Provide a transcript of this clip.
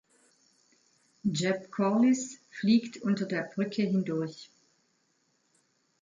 Jeb Corliss fliegt unter der Brücke hindurch.